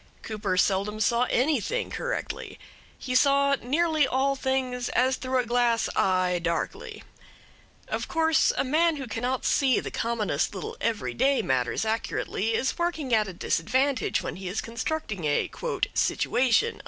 Cooper seldom saw anything correctly. He saw nearly all things as through a glass eye, darkly. Of course a man who cannot see the commonest little every day matters accurately is working at a disadvantage when he is constructing a "situation."